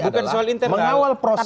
adalah mengawal proses